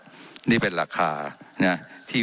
เจ้าหน้าที่ของรัฐมันก็เป็นผู้ใต้มิชชาท่านนมตรี